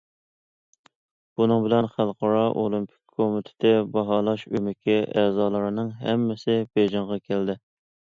بۇنىڭ بىلەن خەلقئارا ئولىمپىك كومىتېتى باھالاش ئۆمىكى ئەزالىرىنىڭ ھەممىسى بېيجىڭغا كەلدى.